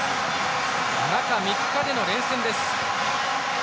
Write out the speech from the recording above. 中３日での連戦です。